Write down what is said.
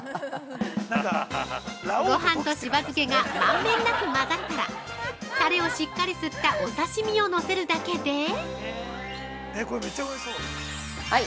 ◆ごはんとしば漬けが満遍なく混ざったらタレをしっかり吸った刺身をのせるだけで◆はい。